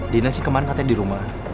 dinas sih kemarin katanya di rumah